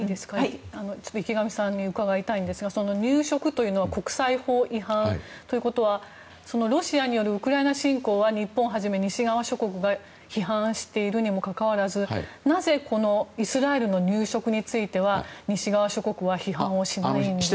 池上さんに伺いたいですが入植というのは国際法違反ということはロシアによるウクライナ侵攻は日本をはじめ西側諸国が批判しているにもかかわらずなぜこのイスラエルの入植については西側諸国は非難しないんでしょうか。